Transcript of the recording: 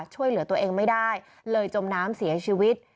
ช่วยเหลือตัวเองไม่ได้เลยจมน้ำเสียชีวิต